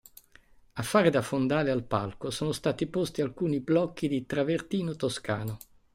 A fare da fondale al palco sono stati posti alcuni blocchi di travertino toscano.